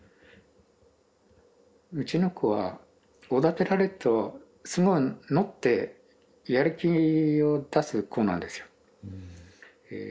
うちの子はおだてられるとすごい乗ってやる気を出す子なんですよ。